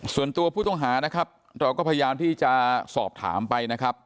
ส่วนตัวผู้ต้องหานะครับเราก็พยายามที่จะสอบถามไปนะครับ